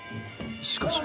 しかし